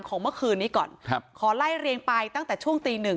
เมื่อคืนนี้ก่อนครับขอไล่เรียงไปตั้งแต่ช่วงตีหนึ่ง